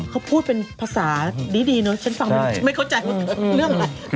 เขาพูดเป็นภาษาดีเนอะฉันฟังไม่เข้าใจว่าเรื่องอะไร